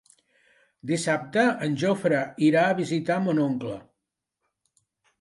Dissabte en Jofre irà a visitar mon oncle.